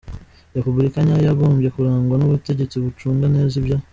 Repubulika nyayo yagombye kurangwa n’ubutegetsi bucunga neza ibya